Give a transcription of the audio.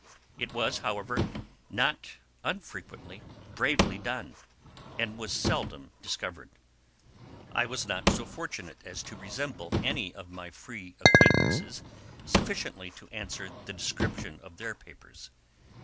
It was, however, not unfrequently bravely done, and was seldom discovered. I was not so fortunate as to resemble any of my free acquaintances sufficiently to answer the description of their papers.